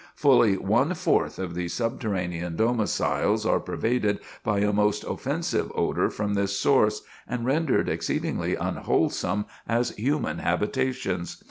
Fully one fourth of these subterranean domiciles are pervaded by a most offensive odor from this source, and rendered exceedingly unwholesome as human habitations.